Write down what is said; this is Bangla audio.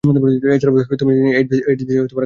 এছাড়াও তিনি এইডস বিষয়ে কাজ করেছেন।